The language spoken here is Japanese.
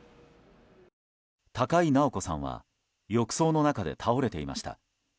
高井直子さんは浴槽の中で倒れていました。